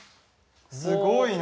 すごいな。